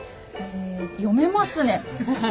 「読めますね」